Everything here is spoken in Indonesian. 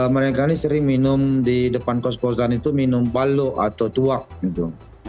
mereka ini sering minum di depan kos kosan itu minum balu atau tuak gitu